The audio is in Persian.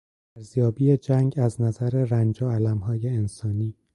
ارزیابی جنگ از نظر رنج و المهای انسانی